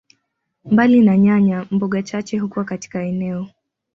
Mbali na nyanya, mboga chache hukua katika eneo.